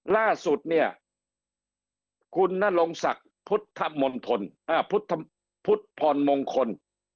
ล่าสุดคุณนโรงศักดิ์พุทธพรมงคล